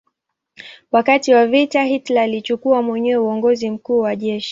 Wakati wa vita Hitler alichukua mwenyewe uongozi mkuu wa jeshi.